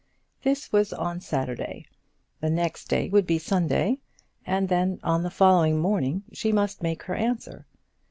This was on Saturday. The next day would be Sunday, and then on the following morning she must make her answer.